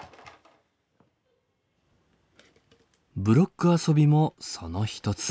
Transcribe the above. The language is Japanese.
ブロック遊びもそのひとつ。